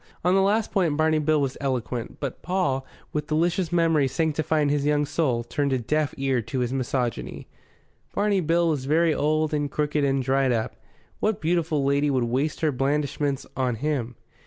On the last point Barney Bill was eloquent; but Paul, with delicious memories sanctifying his young soul, turned a deaf ear to his misogyny. Barney Bill was very old and crooked and dried up; what beautiful lady would waste her blandishments on him?